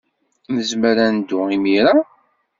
Nezmer ad neddu imir-a?